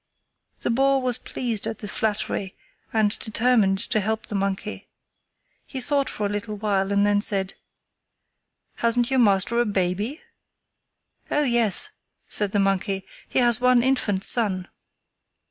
The boar was pleased at the flattery and determined to help the monkey. He thought for a little while and then said: "Hasn't your master a baby?" "Oh, yes," said the monkey, "he has one infant son."